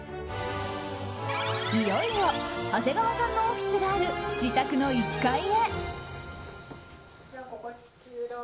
いよいよ長谷川さんのオフィスがある自宅の１階へ。